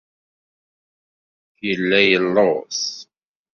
Yella yelluẓ.